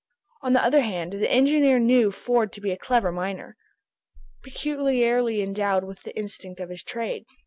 On the other hand, the engineer knew Ford to be a clever miner, peculiarly endowed with the instinct of his trade.